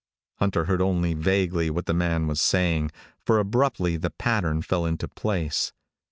Hunter heard only vaguely what the man was saying, for abruptly the pattern fell into place.